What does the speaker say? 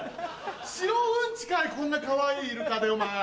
「白うんち」かいこんなかわいいイルカでお前。